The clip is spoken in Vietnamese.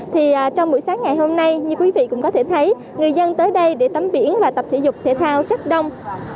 thì trong buổi sáng ngày hôm nay như quý vị cũng có thể thấy người dân tới đây để tắm biển và tập thể dục thể thao rất đông